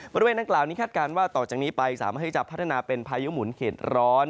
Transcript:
บริเวณดังกล่าวนี้คาดการณ์ว่าต่อจากนี้ไปสามารถที่จะพัฒนาเป็นพายุหมุนเข็ดร้อน